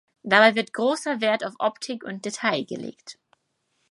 Dabei wird grosser Wert auf Optik und Detail gelegt.